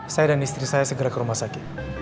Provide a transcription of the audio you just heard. saya dan istri saya segera ke rumah sakit